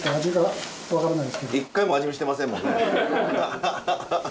一回も味見してませんもんね。